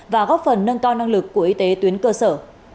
và góp phần nâng cao năng lực của y tế tuyến cơ sở